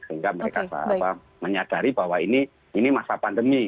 sehingga mereka menyadari bahwa ini masa pandemi